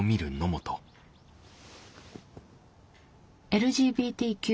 「ＬＧＢＴＱ。